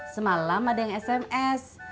semalam ada yang sms